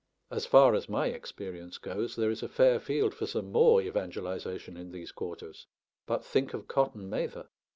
As far as my experience goes, there is a fair field for some more evangelisation in these quarters; but think of Cotton Mather!